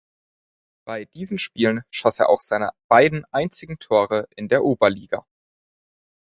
Bei diesen Spielen schoss er auch seine beiden einzigen Tore in der Oberliga.